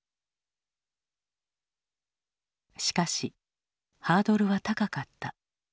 しかしハードルは高かった。